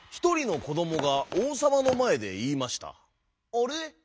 「あれ？